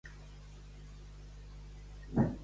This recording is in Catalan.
Podries crear al meu calendari una quedada a Batea?